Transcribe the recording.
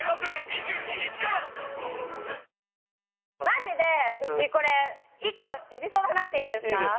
マジでうちこれ１個エピソード話していいですか？